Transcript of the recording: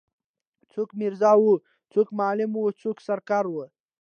څوک میرزا وو څوک معلم وو څوک سر کار وو.